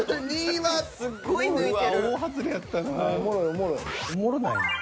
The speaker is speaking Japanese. おもろないねん。